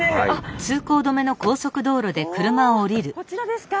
おおこちらですか！